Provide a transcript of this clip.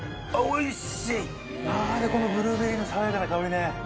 このブルーベリーの爽やかな香りね。